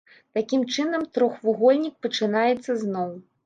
Такім чынам трохвугольнік пачынаецца зноў.